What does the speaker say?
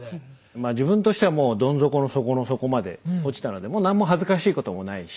まあ自分としてはもうどん底の底の底まで落ちたのでもう何も恥ずかしいこともないし。